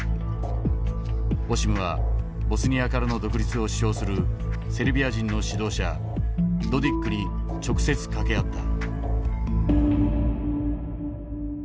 オシムはボスニアからの独立を主張するセルビア人の指導者ドディックに直接掛け合った。